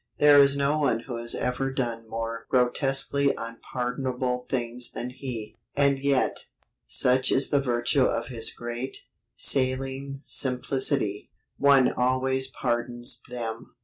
There is no one who has ever done more grotesquely unpardonable things than he and yet, such is the virtue of his great, saline simplicity, one always pardons them.